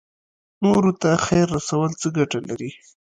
نورو ته خیر رسول څه ګټه لري؟